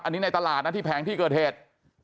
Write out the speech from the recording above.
อันนี้ในตลาดนะที่แผงที่เกิดเหตุ